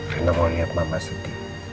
rena mau lihat mama sedih